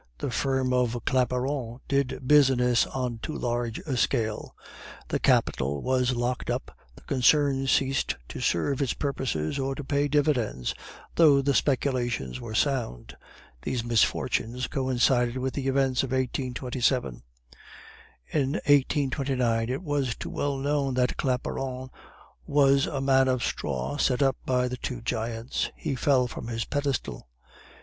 The firm of Claparon did business on too large a scale, the capital was locked up, the concern ceased to serve its purposes, or to pay dividends, though the speculations were sound. These misfortunes coincided with the events of 1827. In 1829 it was too well known that Claparon was a man of straw set up by the two giants; he fell from his pedestal.